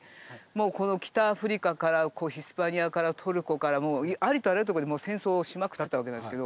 この北アフリカからヒスパニアからトルコからもうありとあらゆるとこで戦争をしまくってたわけなんですけど。